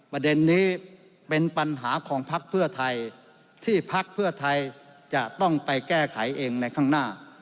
ประเด็นนี้เป็นปัญหาของพักเพื่อไทยที่พักเพื่อไทยจะต้องไปแก้ไขเองในข้างหน้า